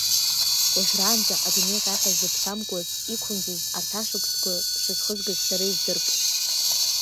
Уажәраанӡа адунеи ҟьаҟьа зыԥсы амкуаз, иқәымӡоз урҭ ашықәсқәа шысхызгаз сара издырп!